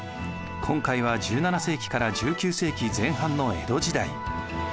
今回は１７世紀から１９世紀前半の江戸時代。